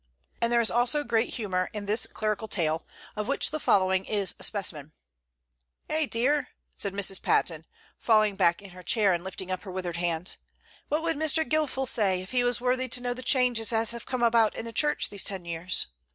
And there is also great humor in this clerical tale, of which the following is a specimen: "'Eh, dear,' said Mrs. Patten, falling back in her chair and lifting up her withered hands, 'what would Mr. Gilfil say if he was worthy to know the changes as have come about in the church in these ten years?